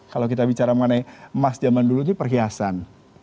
kalau kita bicara mengenai emas zaman dulu ini perhiasan